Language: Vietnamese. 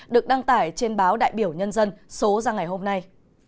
được đăng tải trên báo đại biểu nhân dân số ra ngày hôm nay